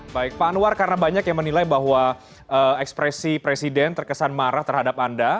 baik pak anwar karena banyak yang menilai bahwa ekspresi presiden terkesan marah terhadap anda